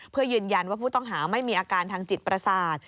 เพื่อยืนยันว่าผู้ต้องหาไม่มีอาการทางจิตประสาท